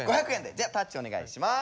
じゃあタッチお願いします。